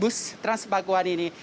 bus transpakuan ini